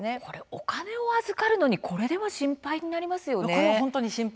お金を預かるのにこれでは心配になりますよね。